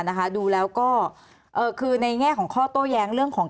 ข้อมูลมาดูแล้วก็ในแน่ของข้อโต้แย้งเรื่องของ